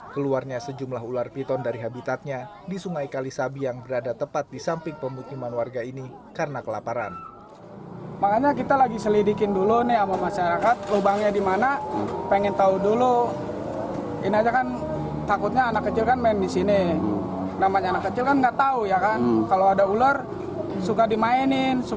keluarnya sejumlah ular piton dari habitatnya di sungai kalisabi yang berada tepat di samping permukiman warga ini karena kelaparan